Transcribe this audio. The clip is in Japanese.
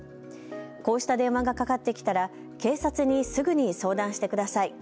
こうした電話がかかってきたら警察にすぐに相談してください。